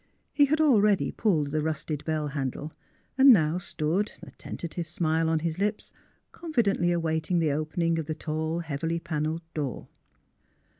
He had already pulled the rusted bell handle, and now stood, a tentative smile on his lips, con fidently awaiting the opening of the tall, heavily pannelled door.